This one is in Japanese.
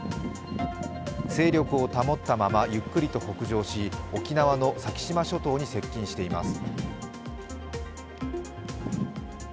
勢力を保ったままゆっくりと北上し、沖縄の先島諸島に接近しています。